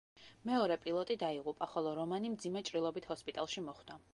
მეორე პილოტი დაიღუპა, ხოლო რომანი მძიმე ჭრილობით ჰოსპიტალში მოხვდა.